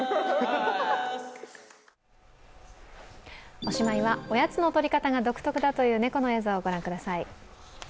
おしまいはおやつのとり方が独特だという猫の映像を御覧ください。